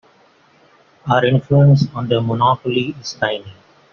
Our influence on their monopoly is tiny.